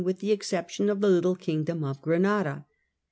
with the exception of the little kingdom of Granada.